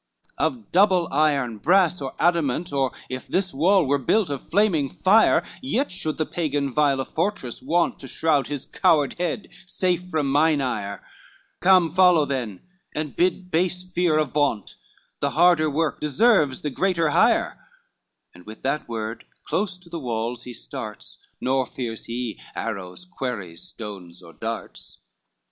LI "Of double iron, brass or adamant, Or if this wall were built of flaming fire, Yet should the Pagan vile a fortress want To shroud his coward head safe from mine ire; Come follow then, and bid base fear avaunt, The harder work deserves the greater hire;" And with that word close to the walls he starts, Nor fears he arrows, quarries, stones or darts.